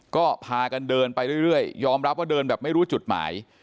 ก็พากันเดินไปเรื่อยยอมรับว่าเดินแบบไม่รู้จุดหมาย